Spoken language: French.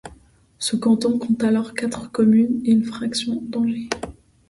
Ce canton compte alors quatre communes et une fraction d'Angers.